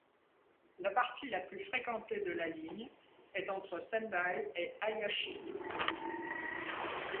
La partie la plus fréquentée de la ligne est entre Sendai et Ayashi.